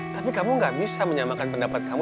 tapi kamu gak bisa menyamakan pendapat kamu